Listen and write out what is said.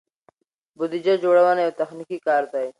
بودیجه جوړونه یو تخنیکي کار دی.